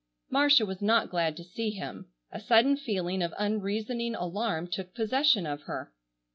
Marcia was not glad to see him. A sudden feeling of unreasoning alarm took possession of her.